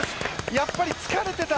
やっぱり疲れていた。